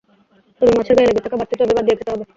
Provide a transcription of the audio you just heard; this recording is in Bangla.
তবে মাছের গায়ে লেগে থাকা বাড়তি চর্বি বাদ দিয়ে খেতে হবে।